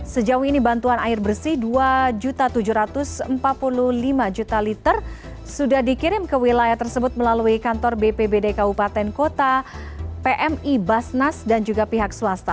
sejauh ini bantuan air bersih dua tujuh ratus empat puluh lima juta liter sudah dikirim ke wilayah tersebut melalui kantor bpbd kabupaten kota pmi basnas dan juga pihak swasta